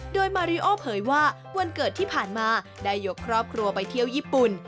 โดยมาริโอเผยว่าวันเกิดที่ผ่านมาได้ยกครอบครัวไปเที่ยวญี่ปุ่น